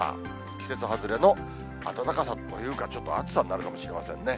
季節外れの暖かさ、というかちょっと暑さになるかもしれませんね。